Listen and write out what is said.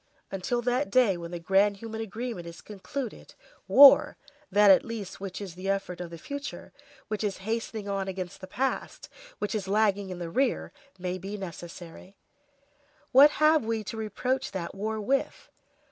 Until that day when the grand human agreement is concluded, war, that at least which is the effort of the future, which is hastening on against the past, which is lagging in the rear, may be necessary. What have we to reproach that war with?